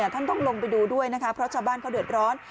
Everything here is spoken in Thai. ท่านต้องลงไปดูด้วยนะคะเพราะชาวบ้านเขาเดือดร้อน